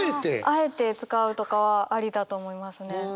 あえて使うとかはありだと思いますね。